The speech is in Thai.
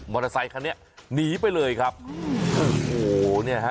บอร์ตอสไทยคันนี้หนีไปเลยครับนี่ฮะ